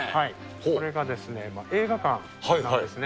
これが映画館なんですね。